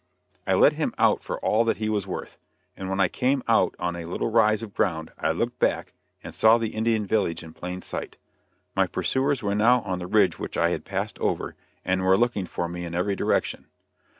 I let him out for all that he was worth, and when I came out on a little rise of ground, I looked back, and saw the Indian village in plain sight. My pursuers were now on the ridge which I had passed over, and were looking for me in every direction.